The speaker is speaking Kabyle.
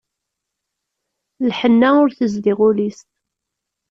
Lḥenna ur tezdiɣ ul-is.